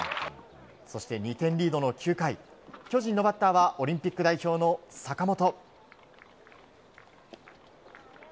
そして２点リードの９回巨人のバッターはオリンピック代表の坂本。